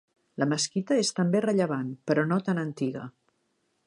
La mesquita és també rellevant, però no tan antiga.